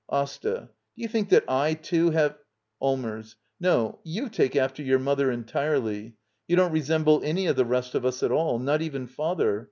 Asta. Do you think that I, too, have — Allmers. No, you take after your mother en tirely. You don't resemble any of the rest of us at all. Not even father.